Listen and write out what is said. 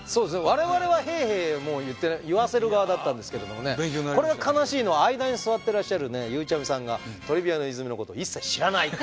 我々は「へぇへぇ」言わせる側だったんですけれどもねこれは悲しいのは間に座ってらっしゃるゆうちゃみさんが「トリビアの泉」のこと一切知らない！